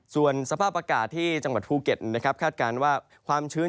ส่วนสภาพอากาศที่จังหวัดภูเก็ตนะครับคาดการณ์ว่าความชื้น